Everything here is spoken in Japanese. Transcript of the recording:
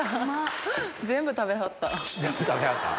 全部食べはった？